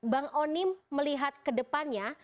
bang onim melihat ke depannya